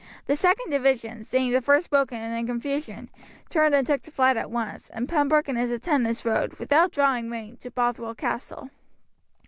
The second division, seeing the first broken and in confusion, turned and took to flight at once, and Pembroke and his attendants rode, without drawing rein, to Bothwell Castle.